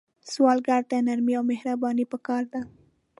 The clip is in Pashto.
سوالګر ته نرمي او مهرباني پکار ده